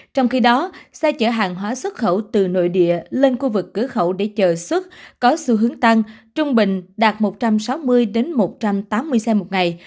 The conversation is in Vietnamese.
trong khi đó xe chở hàng hóa xuất khẩu từ nội địa lên khu vực cửa khẩu để chờ xuất có xu hướng tăng trung bình đạt một trăm sáu mươi một trăm tám mươi xe một ngày